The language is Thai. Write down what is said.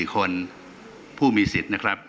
๕๑๒๐๕๖๒๔คนผู้มีสิทธิ์นะครับ